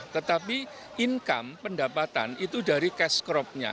tetapi income pendapatan itu dari cash crop nya